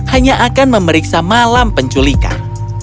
hanya akan memeriksa malam penculikan